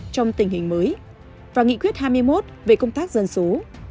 trong tình hình mới và nghị quyết hai mươi một về công tác dân số